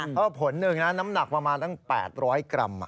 เพราะผลหนึ่งนะน้ำหนักประมาณตั้ง๘๐๐กรัม